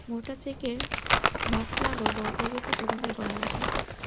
মোটা চেকের মাফলারও বদলে গেছে তরুণদের গলায় এসে।